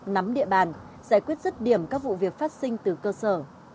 nắm địa bàn giải quyết rứt điểm các vụ việc phát sinh từ cơ sở